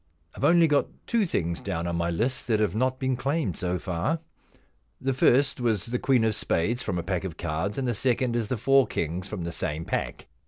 I've only got two things down on my list that have not been claimed so far. The first v/as the queen of spades from a pack of cards, and the second is the four kings from the same pack.